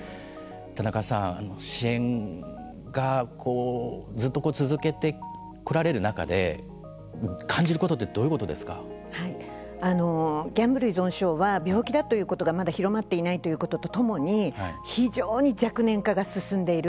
田中さん支援がずっと続けてこられる中で感じることってギャンブル依存症は病気だということがまだ広まっていないということとともに非常に若年化が進んでいる。